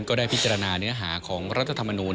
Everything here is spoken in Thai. ก็ได้พิจารณาเนื้อหาของรัฐธรรมนูล